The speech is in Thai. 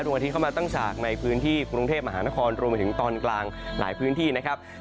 อาทิตยเข้ามาตั้งฉากในพื้นที่กรุงเทพมหานครรวมไปถึงตอนกลางหลายพื้นที่นะครับ